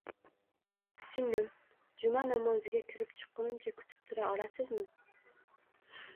Singlim, juma namoziga kirib chiqqunimcha kutib tura olasizma